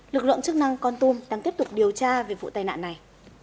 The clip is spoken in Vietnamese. lực lượng chức năng con tum đang tiếp tục điều tra về vụ tai nạn này